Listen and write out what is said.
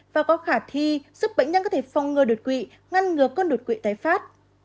và có khả thi giúp bệnh nhân có thể phong ngơ đột quỷ ngăn ngược con đột quỷ tái phát